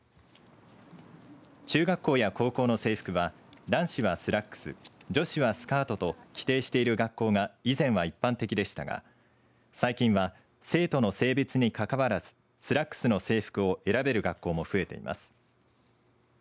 中学校や高校の制服は男子はスラックス女子はスカートと規定している学校が以前は一般的でしたが最近は、生徒の性別にかかわらずスラックスの制服を選べる学校も増えています。